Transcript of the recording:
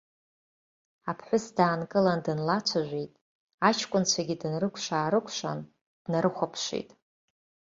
Аԥҳәыс даанкылан дынлацәажәеит, аҷкәынцәагьы дынрыкәша-аарыкәшан, днарыхәаԥшит.